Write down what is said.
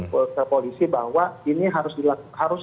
ke polisi bahwa ini harus